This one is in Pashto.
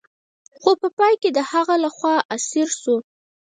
خو په پای کې د هغه لخوا اسیر شو.